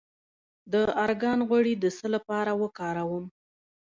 د ارګان غوړي د څه لپاره وکاروم؟